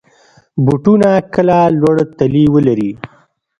بوټونه کله لوړ تلي ولري.